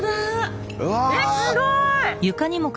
えっすごい！